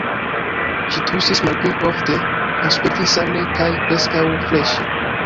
Ŝi tusis malpli ofte, aspektis sane kaj preskaŭ freŝe.